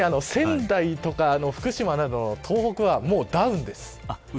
特に仙台とか福島などの東北はもうダウンです。